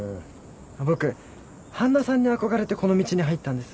僕半田さんに憧れてこの道に入ったんです。